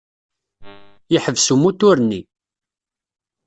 Yeḥbes umutur-nni.